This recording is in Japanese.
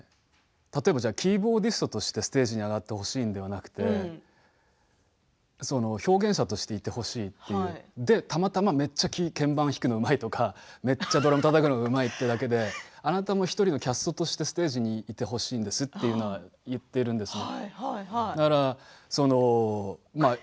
例えばキーボーディストとしてステージに上がってほしいのではなくて表現者としていてほしいというで、たまたま鍵盤を弾くのがめっちゃうまいドラムをたたくのがめっちゃうまいというだけであなたも１人のキャストとしてステージにいてほしいですと言っているんですね。